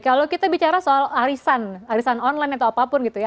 kalau kita bicara soal arisan arisan online atau apapun gitu ya